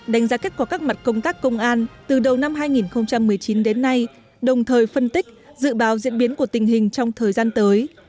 đánh giá kết quả các mặt công tác công an từ đầu năm hai nghìn một mươi chín đến nay đồng thời phân tích dự báo diễn biến của tình hình trong thời gian tới